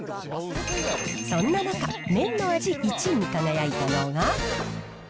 そんな中、麺の味１位に輝いたのが。